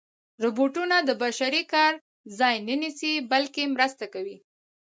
روبوټونه د بشري کار ځای نه نیسي، بلکې مرسته کوي.